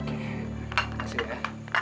terima kasih ya